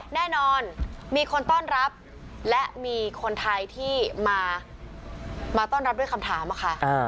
แน่นอนมีคนต้อนรับและมีคนไทยที่มาต้อนรับด้วยคำถามค่ะ